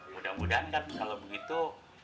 mudah mudahan kan kalau begitu